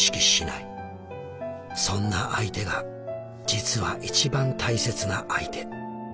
そんな相手が実はいちばん大切な相手。